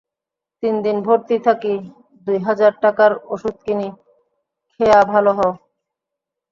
তিন দিন ভর্তি থাকি দুই হাজার টাকার ওষুধ কিনি খেয়া ভালো হও।